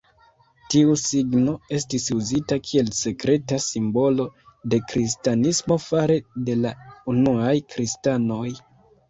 Tiu signo estis uzita kiel sekreta simbolo de Kristanismo fare de la unuaj kristanoj.